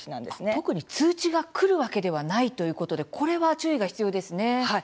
特に通知がくるわけではないということでこれは注意が必要ですね。